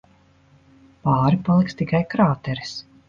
Pāri paliks tikai krāteris.